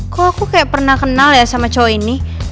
kok aku kayak pernah kenal ya sama cowok ini